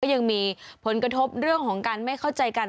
ยังมีผลกระทบเรื่องของการไม่เข้าใจกัน